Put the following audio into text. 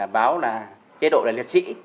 báo là chế đội là liệt sĩ